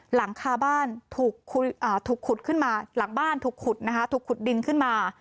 หลังคาบ้านถูกขุดขึ้นมาหลังบ้านถูกขุดนะคะถูกขุดดินขึ้นมา